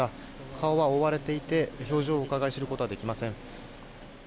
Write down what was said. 顔は覆われていて表情をうかがい知ることはできません。